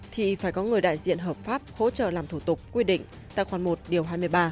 thì phải có người đại diện hợp pháp hỗ trợ làm thủ tục quy định tại khoản một điều hai mươi ba